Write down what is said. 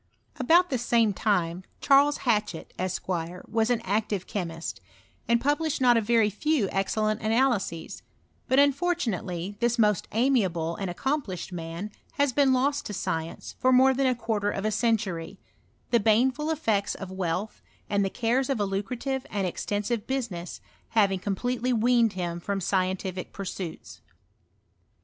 About the same time, Charles Hatchett, Esq., was an active chemist, and published not a few very excellent analyses ; but unfortunately this most amiable and accomplished man has been lost to science for more than a quarter of a century ; the baneful effects of wealth, and the cares of a lucrative and extensive business, having completely weaned him from scientific pursuits.